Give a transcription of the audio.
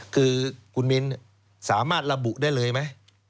คือคุณมิ้นสามารถระบุได้เลยไหม